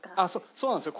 そうなんですよ。